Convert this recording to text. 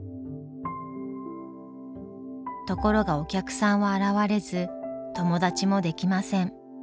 ところがお客さんは現れず友達もできません。